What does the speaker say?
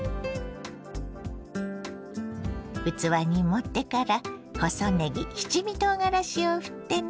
器に盛ってから細ねぎ七味とうがらしをふってね。